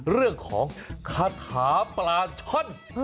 เรื่องของคาถาปลาช่อน